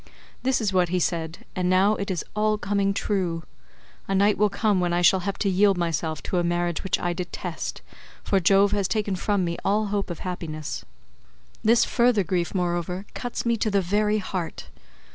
This is what he said and now it is all coming true. A night will come when I shall have to yield myself to a marriage which I detest, for Jove has taken from me all hope of happiness. This further grief, moreover, cuts me to the very heart.